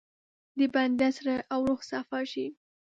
د بنده زړه او روح صفا شي.